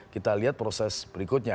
kita lihat proses berikutnya